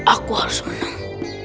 aku harus menang